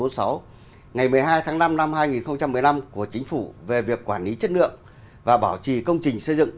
ngày một mươi hai tháng năm năm hai nghìn một mươi năm của chính phủ về việc quản lý chất lượng và bảo trì công trình xây dựng